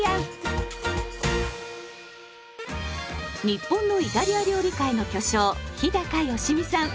日本のイタリア料理界の巨匠日良実さん。